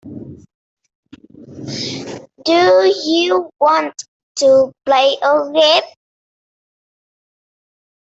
Do you want to play a game?